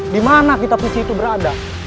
di mana kitab suci itu berada